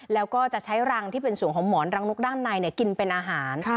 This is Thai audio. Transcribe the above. แล้วก็จะใช้รังที่เป็นส่วนของหมอนรังนกด้านในกินเป็นอาหาร